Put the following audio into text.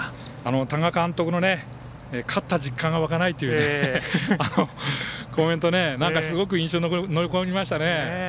多賀監督の勝った実感がわかないというあのコメントすごく印象に残りましたね。